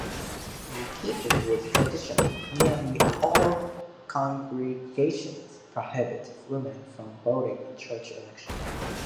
In keeping with tradition, nearly all congregations prohibit women from voting in church elections.